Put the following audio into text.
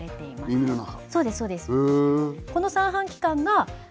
耳の中。